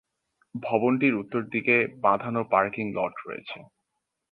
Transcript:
ভবনটির উত্তরদিকে বাঁধানো parking lot রয়েছে।